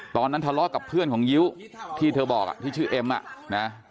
ตอนนั้นทะเลาะกับเพื่อนของยิ้วที่เธอบอกที่ชื่อเอ็มอ่ะนะ